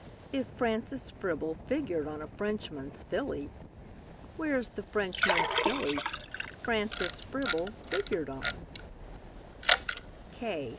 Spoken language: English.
If Francis Fribble figured on a Frenchman's Filly, Where's the Frenchman's Filly Francis Fribble figured on?